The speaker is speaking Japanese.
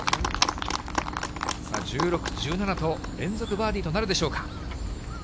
１６、１７と連続バーディーとなるでしょうか。